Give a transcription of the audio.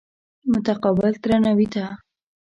متقابل درناوي ته.